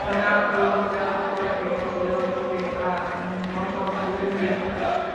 Monaghan fue golpeado por lo que consideró su pecaminoso orgullo y ego.